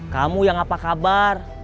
kamu yang apa kabar